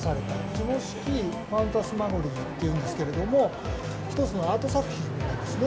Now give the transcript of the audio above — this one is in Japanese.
志茂式ファンタスマゴリーっていうんですけれども、一つのアート作品なんですね。